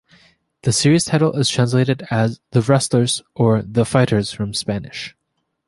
The series title is translated as "The Wrestlers" or "The Fighters" from Spanish.